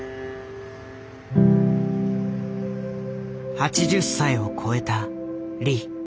８０歳を越えたリ。